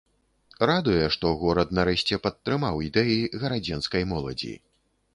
Радуе, што горад нарэшце падтрымаў ідэі гарадзенскай моладзі.